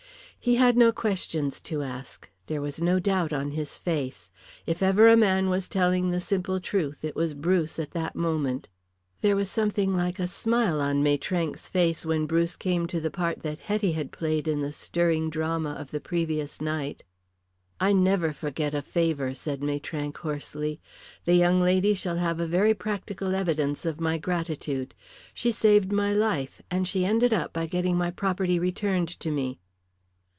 He had no questions to ask; there was no doubt on his face. If ever a man was telling the simple truth it was Bruce at that moment. There was something like a smile on Maitrank's face when Bruce came to the part that Hetty had played in the stirring drama of the previous night. "I never forget a favour," said Maitrank, hoarsely. "The young lady shall have a very practical evidence of my gratitude. She saved my life, and she ended up by getting my property returned to me."